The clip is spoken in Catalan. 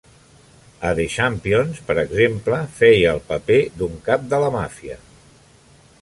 A "The Champions", per exemple, feia el paper d'un cap de la màfia.